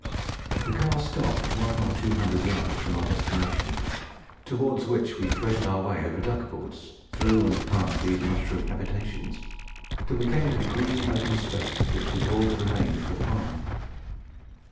The car stopped one or two hundred yards from our destination, towards which we threaded our way over duck boards, through and past these mushroom habitations, till we came to the green open space which was all that remained of the farm.